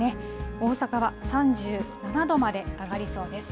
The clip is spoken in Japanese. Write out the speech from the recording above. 大阪は３７度まで上がりそうです。